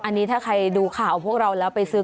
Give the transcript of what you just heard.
อันนี้ถ้าใครดูข่าวพวกเราแล้วไปซื้อ